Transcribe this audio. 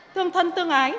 tương thân tương ái